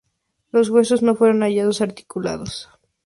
Los huesos no fueron hallados articulados.